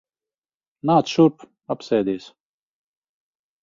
Nāc šurp. Apsēdies.